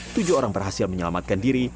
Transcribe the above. tujuh orang berhasil menyelamatkan diri